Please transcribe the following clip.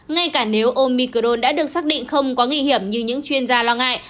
ngay cả nếu omicron đã được xác định không có nghi hiểm như những chuyên gia lo ngại